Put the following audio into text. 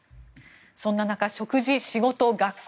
そんな中食事、仕事、学校。